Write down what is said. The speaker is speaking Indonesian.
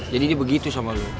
jadi dia begitu sama lo